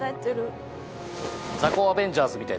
ザコアベンジャーズみたい。